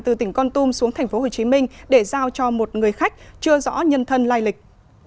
từ tỉnh con tum xuống tp hcm để giao cho một người khách chưa rõ nhân thân lai lịch